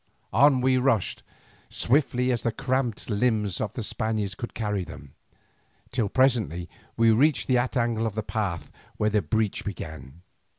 On we rushed swiftly as the cramped limbs of the Spaniards would carry them, till presently we reached that angle in the path where the breach began.